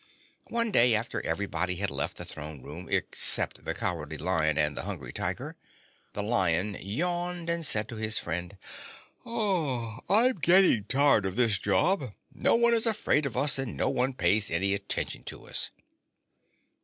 One day, after everybody had left the Throne Room except the Cowardly Lion and the Hungry Tiger, the Lion yawned and said to his friend: "I'm getting tired of this job. No one is afraid of us and no one pays any attention to us."